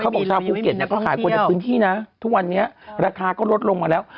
บอกชาวภูเก็ตเนี่ยก็ขายคนในพื้นที่นะทุกวันนี้ราคาก็ลดลงมาแล้ว